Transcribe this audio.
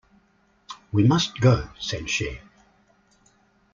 "We must go," said she.